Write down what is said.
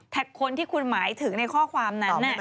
คนที่คุณหมายถึงในข้อความนั้น